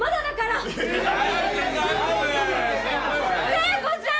聖子ちゃん！